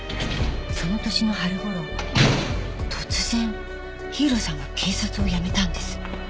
その年の春頃突然火浦さんが警察を辞めたんです。